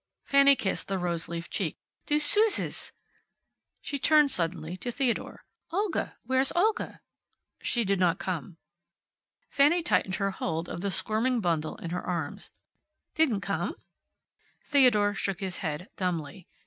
Fanny kissed the roseleaf cheek. "Du suszes " She turned suddenly to Theodore. "Olga where's Olga?" "She did not come." Fanny tightened her hold of the little squirming bundle in her arms. "Didn't come?" Theodore shook his head, dumbly.